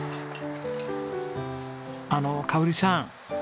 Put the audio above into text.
あの香織さん。